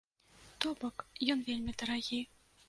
То бок ён вельмі дарагі.